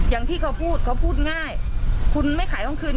อย่างที่เขาพูดเขาพูดง่ายคุณไม่ขายต้องคืน